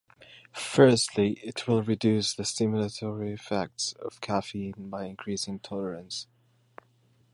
Firstly, it will reduce the stimulatory effects of caffeine by increasing tolerance.